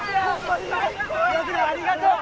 岩倉ありがとう。